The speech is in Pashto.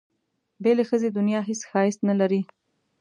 بې له ښځې دنیا هېڅ ښایست نه لري.